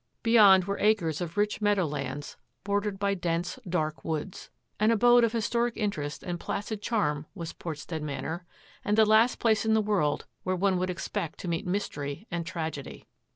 Beyond were acres of rich meadow lands, bordered by dense, dark woods. An abode of his toric interest and placid charm was Portstead Manor, and the last place in the world where one would expect to meet mystery and tragedy.